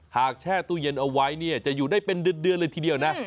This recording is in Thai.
แช่ตู้เย็นเอาไว้เนี่ยจะอยู่ได้เป็นเดือนเลยทีเดียวนะ